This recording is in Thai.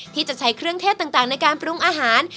ที่จะใช้เครื่องเทศต่างในการปรุงอาหาร